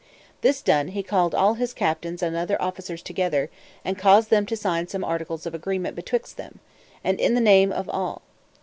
This done, he called all his captains and other officers together, and caused them to sign some articles of agreement betwixt them, and in the name of all.